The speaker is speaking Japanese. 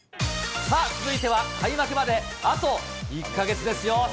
さあ、続いては開幕まであと１か月ですよ。